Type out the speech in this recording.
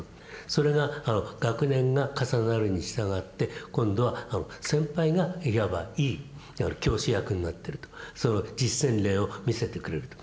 それが学年が重なるにしたがって今度は先輩がいわばいい教師役になってるとその実践例を見せてくれると。